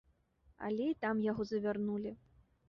Але і там яго завярнулі.